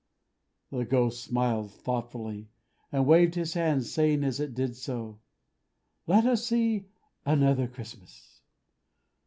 The Ghost smiled thoughtfully, and waved its hand: saying as it did so, "Let us see another Christmas!"